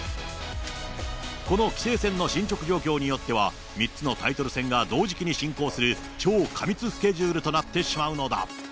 この棋聖戦の進捗状況によっては、３つのタイトル戦が同時期に進行する、超過密スケジュールとなってしまうのだ。